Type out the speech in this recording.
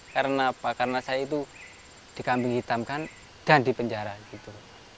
karena apa karena saya itu dikambing hitamkan dan dipenjara gitu